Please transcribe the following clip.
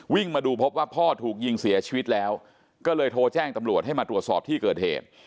มาดูพบว่าพ่อถูกยิงเสียชีวิตแล้วก็เลยโทรแจ้งตำรวจให้มาตรวจสอบที่เกิดเหตุ